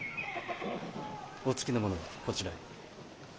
お付きの者はこちらへ。